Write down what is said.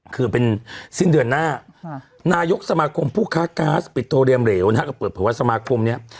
คือเป็นสิ้นเดือนหน้านายกสมาคมผู้ค้าก๊าซปิดโทเรียมเหลวนะฮะก็เปิดเผยว่าสมาคมเนี่ย